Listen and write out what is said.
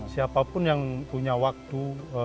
siapapun yang punya waktu